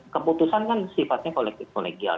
khususan kan sifatnya kualitif kualitif